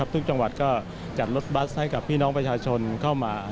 ทุกจังหวัดก็จัดรถบัสให้กับพี่น้องประชาชนเข้ามา